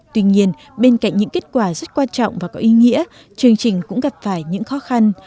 tuy nhiên bên cạnh những kết quả rất quan trọng và có ý nghĩa chương trình cũng gặp phải những khó khăn